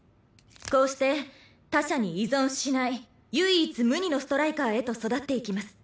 こうして他者に依存しない唯一無二のストライカーへと育っていきます。